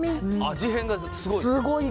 味変がすごい？